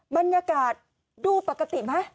บรรยากาศดูปกติไหม